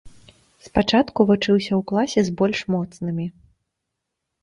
Спачатку вучыўся ў класе з больш моцнымі.